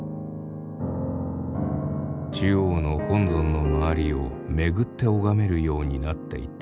中央の本尊の周りを巡って拝めるようになっていた。